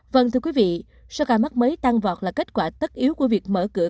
vâng thưa quý vị số ca mắc mới tăng vọt là kết quả tất yếu của việc mở cửa